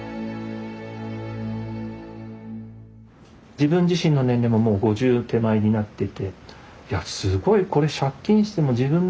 自分自身の年齢ももう５０手前になっていていやすごいこれ借金しても自分の人生